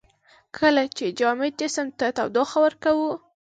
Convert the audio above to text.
کله چې جامد جسم ته تودوخه ورکوو.